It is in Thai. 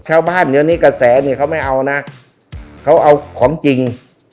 ชาวบ้านเดี๋ยวนี้กระแสเนี่ยเขาไม่เอานะเขาเอาของจริง